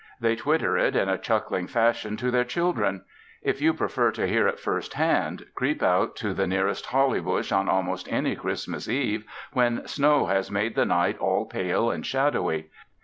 They twitter it in a chuckling fashion to their children. If you prefer to hear it first hand, creep out to the nearest holly bush on almost any Christmas Eve when snow has made the night all pale and shadowy.